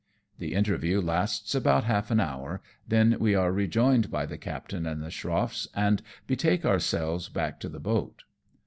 The interview lasts about half an hour, then we are rejoined by the captains and the schroff s, and betake ourselves back to the boat.